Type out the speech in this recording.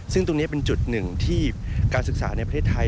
ซึ่งตรงนี้เป็นจุดหนึ่งที่การศึกษาในประเทศไทย